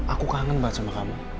aku kangen banget sama kamu